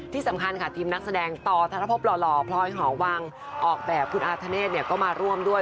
ที่สำคัญค่ะทีมนักแสดงต่อธนภพหล่อพลอยหอวังออกแบบคุณอาธเนธก็มาร่วมด้วย